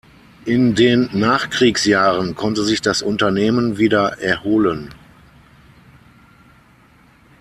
In den Nachkriegsjahren konnte sich das Unternehmen wieder erholen.